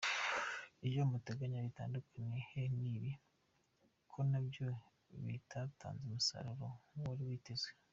Ibyo muteganya bitandukaniye he n’ibi, ko nabyo bitatanze umusaruro nk’uwari witezwe?.